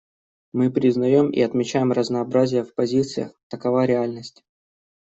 Мы признаем и отмечаем разнообразие в позициях: такова реальность.